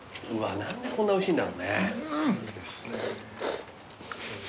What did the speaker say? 何でこんなおいしいんだろうね。